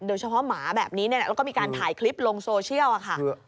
โดยเฉพาะหมาแบบนี้แล้วก็มีการถ่ายคลิปลงโซเชียล